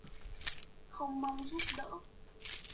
Không mong giúp đở